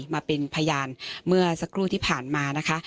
มาเป็นพยานเมื่อสักครู่ที่ผ่านมานะคะ